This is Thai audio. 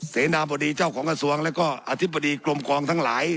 เสนาบดีเจ้าของกระทรวงแล้วก็อธิบดีกรมกองทั้งหลาย